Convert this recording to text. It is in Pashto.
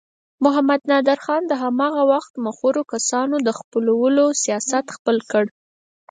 محمد نادر خان د هماغه وخت مخورو کسانو د خپلولو سیاست خپل کړ.